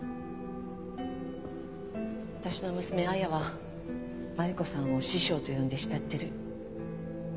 私の娘亜矢はマリコさんを師匠と呼んで慕ってる。